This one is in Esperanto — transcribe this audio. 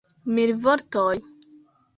Mil vortoj!